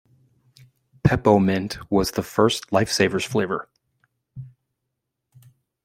Pep-O-Mint was the first Life Savers flavor.